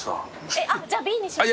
えっじゃあＢにします。